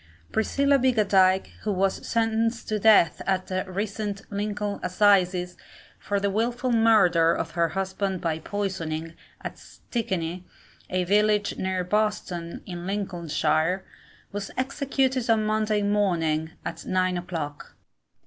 Priscilla Biggadike, who was sentenced to death at the recent Lincoln Assizes, for the wilful murder of her husband by poisoning, at Stickney, a village near Boston, in Lincolnshire, was executed on Monday morning, at nine o'clock.